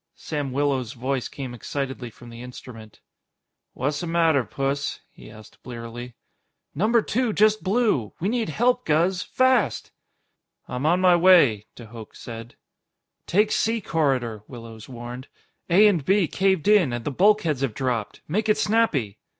Sam Willows' voice came excitedly from the instrument. "Whatsamatter, Puss?" he asked blearily. "Number Two just blew! We need help, Guz! Fast!" "I'm on my way!" de Hooch said. "Take C corridor," Willows warned. "A and B caved in, and the bulkheads have dropped. Make it snappy!"